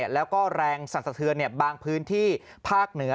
แล้วก็แรงสั่นสะเทือนบางพื้นที่ภาคเหนือ